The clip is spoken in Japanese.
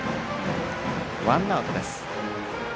ワンアウトです。